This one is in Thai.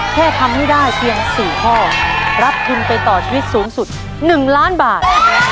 แค่ทำให้ได้เพียง๔ข้อรับทุนไปต่อชีวิตสูงสุด๑ล้านบาท